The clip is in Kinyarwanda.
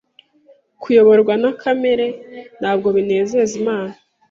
kuyoborwa na kamere ntabwo binezeza Imana